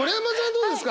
どうですか？